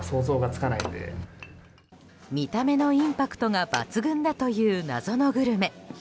見た目のインパクトが抜群だという謎のグルメ。